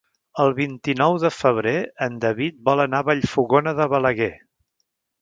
El vint-i-nou de febrer en David vol anar a Vallfogona de Balaguer.